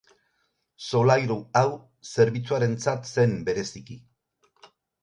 Solairu hau zerbitzuarentzat zen bereziki.